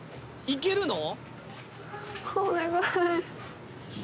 いけるの？